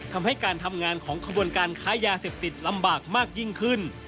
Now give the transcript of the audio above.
ทำให้การทำงานของขบวนการค้ายาเสพติดลำบากมากยิ่งขึ้น